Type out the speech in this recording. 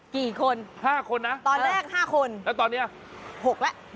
กี่คน๕คนน่ะตอนแรก๕คนแล้วตอนนี้๖แล้ว